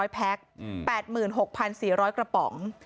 แพ็ค๘๖๔๐๐กระป๋อง